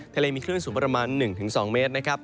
ทะเลมีคลื่นสูงประมาณ๑๒เมตรนะครับ